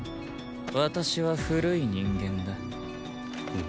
私は古い人間だ。？